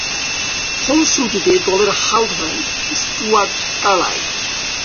ফলশ্রুতিতে দলের হাল ধরেন স্টুয়ার্ট কার্লাইল।